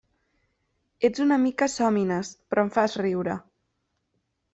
Ets una mica sòmines, però em fas riure.